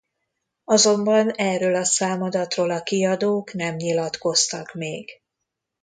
Azonban erről a számadatról a kiadók nem nyilatkoztak még.